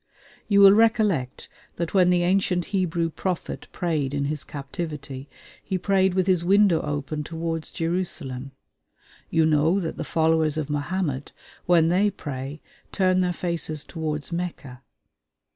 You will recollect that when the ancient Hebrew prophet prayed in his captivity, he prayed with his window open towards Jerusalem. You know that the followers of Mohammed, when they pray, turn their faces towards Mecca.